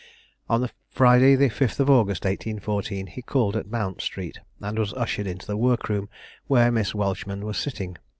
On Friday the 5th of August, 1814, he called at Mount Street, and was ushered into the work room, where Miss Welchman was sitting.